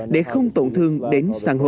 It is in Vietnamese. để không tổn thương đến săn hô